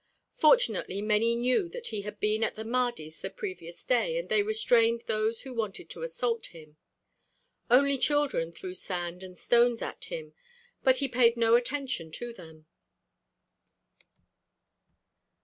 Fortunately many knew that he had been at the Mahdi's the previous day, and they restrained those who wanted to assault him. Only children threw sand and stones at him, but he paid no attention to them.